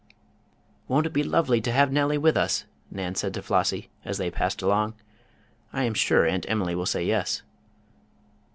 "Won't it be lovely to have Nellie with us!" Nan said to Flossie, as they passed along. "I am sure Aunt Emily will say yes."